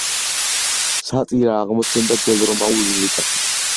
სატირა აღმოცენდა ძველ რომაულ ლირიკაში.